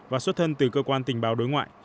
và xuất thân từ cơ quan tình báo đối ngoại